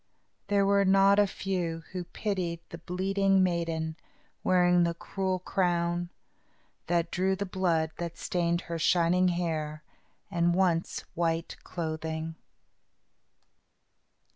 There were not a few who pitied the bleeding maiden wearing the cruel crown, that drew the blood that stained her shining hair and once white clothing.